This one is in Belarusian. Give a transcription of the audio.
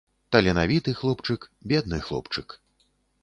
Таленавіты хлопчык, бедны хлопчык.